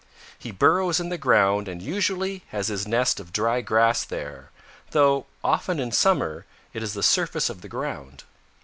He burrows in the ground and usually has his nest of dry grass there, though often in summer it is the surface of the ground.